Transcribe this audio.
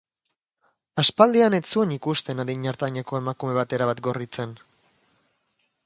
Aspaldian ez zuen ikusten adin ertaineko emakume bat erabat gorritzen.